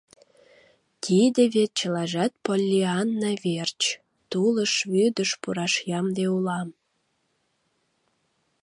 Тиде вет чылажат Поллианна верч, тулыш-вӱдыш пураш ямде улам.